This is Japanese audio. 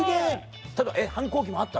反抗期もあった？